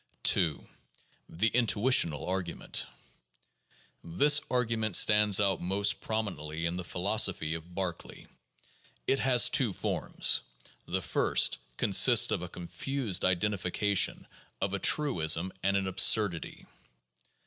2. The Intuitional Argument: This argument stands out most prominently in the philosophy of Berkeley. It has two forms. The first consists of a confused identification of a truism and an absurd ity.